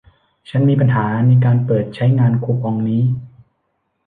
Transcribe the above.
ฉันมีปัญหาในการเปิดใช้งานคูปองนี้